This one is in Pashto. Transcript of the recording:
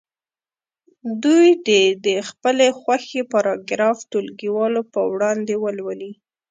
دوی دې د خپلې خوښې پاراګراف ټولګیوالو په وړاندې ولولي.